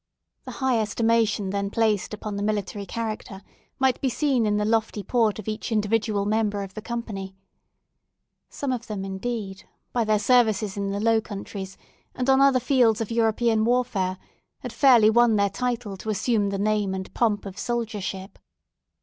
The high estimation then placed upon the military character might be seen in the lofty port of each individual member of the company. Some of them, indeed, by their services in the Low Countries and on other fields of European warfare, had fairly won their title to assume the name and pomp of soldiership.